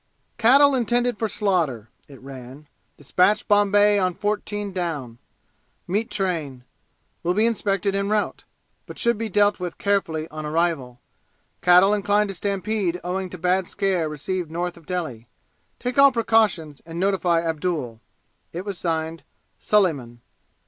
"Cattle intended for slaughter," it ran, "despatched Bombay on Fourteen down. Meet train. Will be inspected en route, but should be dealt with carefully, on arrival. Cattle inclined to stampede owing to bad scare received to North of Delhi. Take all precautions and notify Abdul." It was signed "Suliman."